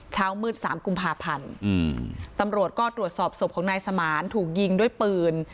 เช้ามืดสามกุมภาพันธ์ตำรวจก็ตรวจสอบศพของนายสมานถูกยิงด้วยปืน